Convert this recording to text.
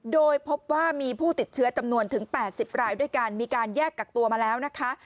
โดยพบว่ามีผู้ติดเชื้อจำนวนถึง๘๐รายด้วยกันมีการแยกกักตัวมาแล้วนะคะ